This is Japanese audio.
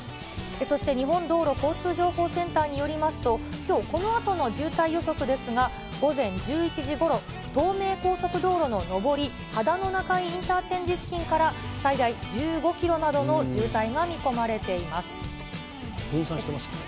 そして日本道路交通情報センターによりますと、きょう、このあとの渋滞予測ですが、午前１１時ごろ、東名高速道路の上り、秦野中井インターチェンジ付近から最大１５キロなどの渋滞が見込分散してますね。